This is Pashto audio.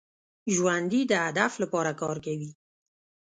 ژوندي د هدف لپاره کار کوي